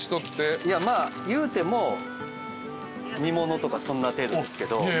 いうても煮物とかそんな程度ですけど。